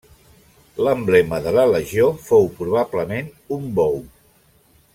L'emblema de la legió fou, probablement, un bou.